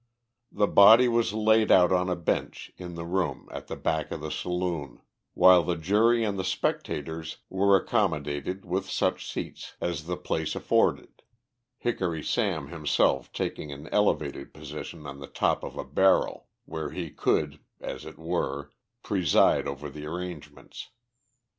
The body was laid out on a bench in the room at the back of the saloon, while the jury and the spectators were accommodated with such seats as the place afforded, Hickory Sam himself taking an elevated position on the top of a barrel, where he could, as it were, preside over the arrangements.